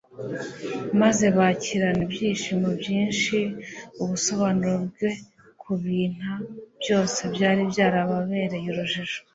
maze bakirana ibyishimo byinshi ubusobanuro bwe ku binta byose byari byarababereye urujijo.